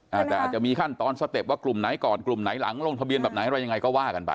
อาจจะมีขั้นตอนสเต็ปว่ากลุ่มไหนก่อนกลุ่มไหนหลังลงทะเบียนแบบไหนอะไรยังไงก็ว่ากันไป